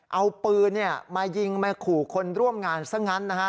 เอาปืนมายิงมาขู่คนร่วมงานซะงั้นนะฮะ